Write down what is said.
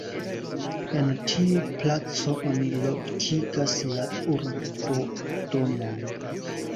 En tiu placo oni lokigas la urbodomon.